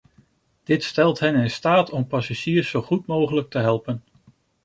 Dit stelt hen in staat om passagiers zo goed mogelijk te helpen.